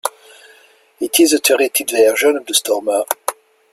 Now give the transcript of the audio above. It is a turreted version of the Stormer.